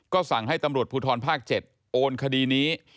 ก็สั่งให้ตำรวจภูทรภาค๗โอนคดีนี้